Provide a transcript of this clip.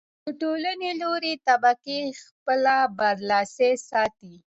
د ټولنې لوړې طبقې خپله برلاسي ساتي.